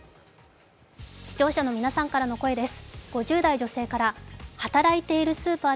視聴者の皆さんからの声です。